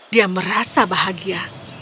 dia merasa bahagia